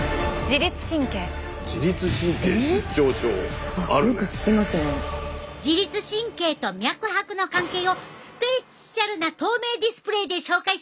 自律神経と脈拍の関係をスペシャルな透明ディスプレーで紹介するで！